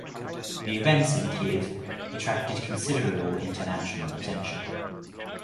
The events in Kyiv attracted considerable international attention.